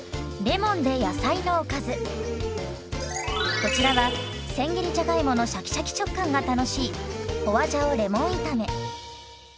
こちらはせん切りじゃがいものシャキシャキ食感が楽しい花椒レモン炒め。